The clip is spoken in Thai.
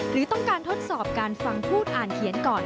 หรือต้องการทดสอบการฟังพูดอ่านเขียนก่อน